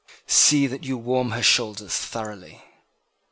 See that you warm her shoulders thoroughly!"